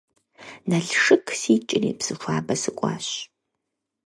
Налшык сикӀри Псыхуабэ сыкӀуащ.